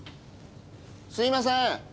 すいません。